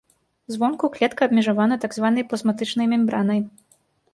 Звонку клетка абмежавана так званай плазматычнай мембранай.